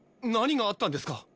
何があったんですか？